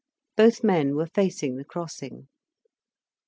Both men were facing the crossing.